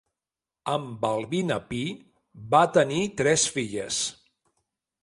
Amb Balbina Pi van tenir tres filles: